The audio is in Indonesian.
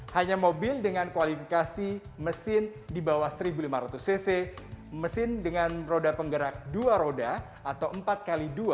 hanya mobil dengan kualifikasi mesin di bawah satu lima ratus cc mesin dengan roda penggerak dua roda atau empat x dua